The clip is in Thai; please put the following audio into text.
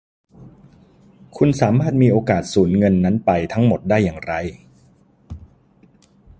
คุณสามารถมีโอกาสสูญเงินนั้นไปทั้งหมดได้อย่างไร